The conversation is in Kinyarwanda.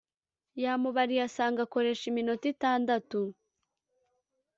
yamubariye asanga akoresha iminota itandatu